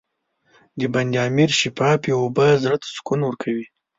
د بند امیر شفافې اوبه زړه ته سکون ورکوي.